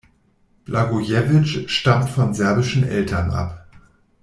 Blagojevich stammt von serbischen Eltern ab.